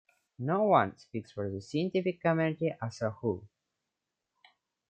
No one speaks for the scientific community as a whole.